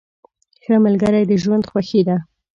ښه ملګري د ژوند خوښي ده.